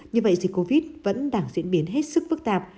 như vậy dịch covid vẫn đang diễn biến hết sức phức tạp